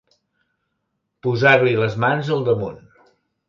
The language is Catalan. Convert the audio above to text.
Posar-li les mans al damunt.